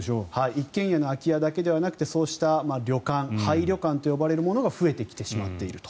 一軒家の空き家だけでなくて旅館、廃旅館と呼ばれるものが増えてきてしまっていると。